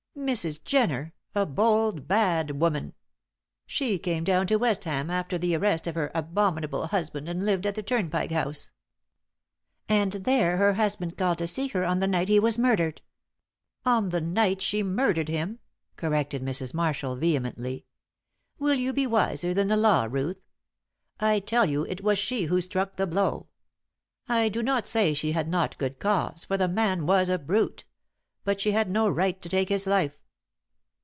Mrs. Jenner a bold, bad woman! She came down to Westham after the arrest of her abominable husband, and lived at the Turnpike House " "And there her husband called to see her on the night he was murdered." "On the night she murdered him," corrected Mrs. Marshall, vehemently. "Will you be wiser, than the law, Ruth? I tell you it was she who struck the blow. I do not say that she had not good cause, for the man was a brute. But she had no right to take his life!"